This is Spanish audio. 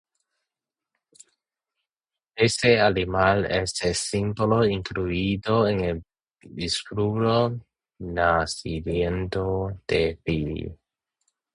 Este animal es el símbolo incluido en el escudo nacional de Fiyi.